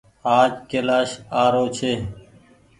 آج ڪيلآش آ رو ڇي۔